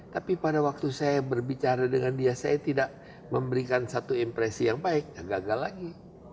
tapi pada waktu saya berbicara dengan dia saya tidak memberikan satu impresi yang baik gagal lagi